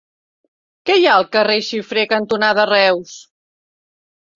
Què hi ha al carrer Xifré cantonada Reus?